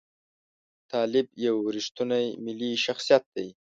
طالب یو ریښتونی ملي شخصیت دی.